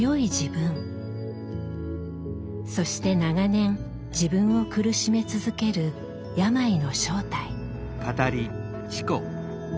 そして長年自分を苦しめ続ける病の正体。